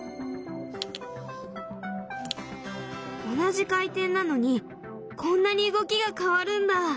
同じ回転なのにこんなに動きが変わるんだ。